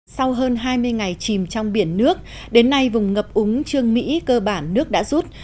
sau hơn hai mươi ngày chìm trong biển nước đến nay vùng ngập úng trương mỹ cơ bản nước đã rút